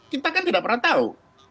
kita kan tidak pernah tahu